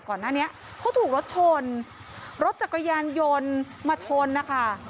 ก่อนหน้านี้เขาถูกรถชนรถจักรยานยนต์มาชนนะคะ